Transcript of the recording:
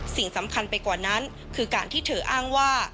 สิ่งสำคัญไปกว่านั้นคือการที่เธออ้างว่า